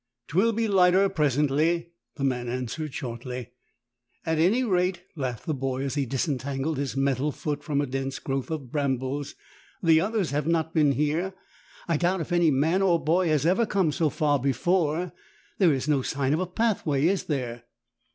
" Twill be lighter presently," the man answered shortly. "At any rate," laughed the boy as he disentangled his metal foot from a dense growth of brambles, "the others have not been here. I doubt if any man or boy has ever come so far before. There is no sign of a pathway, is there